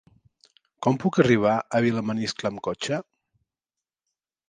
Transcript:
Com puc arribar a Vilamaniscle amb cotxe?